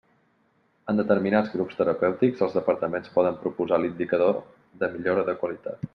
En determinats grups terapèutics, els departaments poden proposar l'indicador de millora de qualitat.